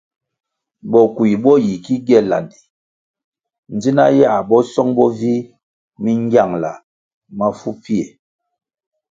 Bokui bo yi ki gie landi dzina yãh bo song bo vih mi ngiangla mafu pfie.